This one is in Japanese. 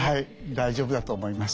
大丈夫だと思います。